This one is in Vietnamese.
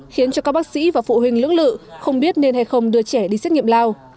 khiến cho các bác sĩ và phụ huynh lưỡng lự không biết nên hay không đưa trẻ đi xét nghiệm lao